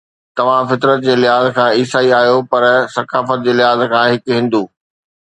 توهان فطرت جي لحاظ کان عيسائي آهيو، پر ثقافت جي لحاظ کان هڪ هندو